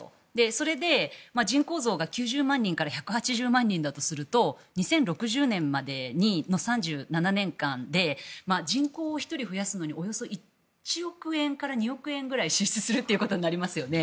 それで人口増が９０万人から１８０万人だとすると２０６０年までの３７年間で人口を１人増やすのにおよそ１億円から２億円ぐらい支出することになりますよね。